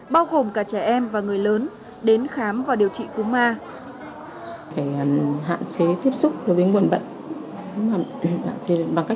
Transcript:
bao gồm cả trẻ em và người lớn đến khám và điều trị cú ma